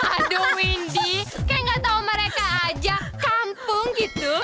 aduh windy kayak gak tau mereka aja kampung gitu